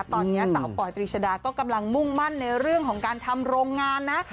ตอนนี้สาวปอยตรีชดาก็กำลังมุ่งมั่นในเรื่องของการทำโรงงานนะ